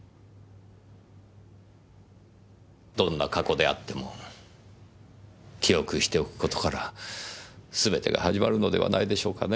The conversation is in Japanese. どんな過去であっても記憶しておく事からすべてが始まるのではないでしょうかねぇ。